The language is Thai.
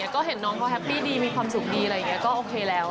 ก็เห็นน้องเขาแฮปปี้ดีมีความสุขดีก็โอเคแล้ว